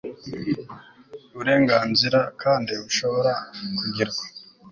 burenganzira kandi bushobora kugirwa